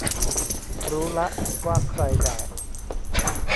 รู้ละว่าใครแบก